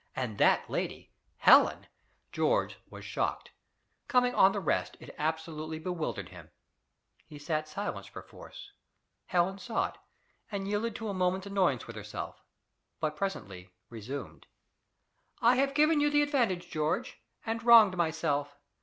and that lady, Helen! George was shocked. Coming on the rest, it absolutely bewildered him. He sat silent perforce. Helen saw it, and yielded to a moment's annoyance with herself, but presently resumed: "I have given you the advantage, George, and wronged myself.